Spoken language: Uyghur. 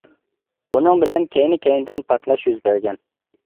بۇنىڭ بىلەن كەينى-كەينىدىن پارتلاش يۈز بەرگەن.